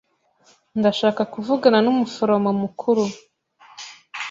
Ndashaka kuvugana n'umuforomo mukuru.